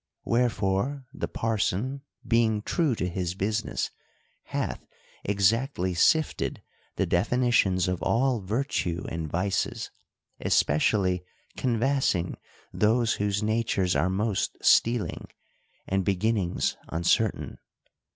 — Wherefore the parson, being true to his business, hath exactly sifted the definitions of all virtue and vices ; especially canvassing those, whose natures are most stealing, and beginnings uncer tain.